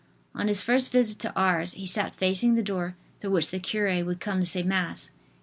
On his first visit to Ars he sat facing the door through which the cure would come to say Mass.